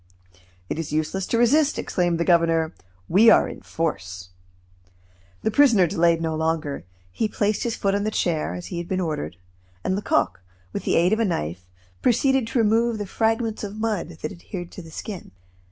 "It is useless to resist," exclaimed the governor, "we are in force." The prisoner delayed no longer. He placed his foot on the chair, as he had been ordered, and Lecoq, with the aid of a knife, proceeded to remove the fragments of mud that adhered to the skin.